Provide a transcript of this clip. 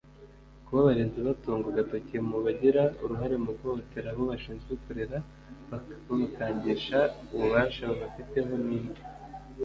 Kuba abarezi batungwa agatoki mu bagira uruhare mu guhohotera abo bashinzwe kurera babakangisha ububasha babafiteho n’indi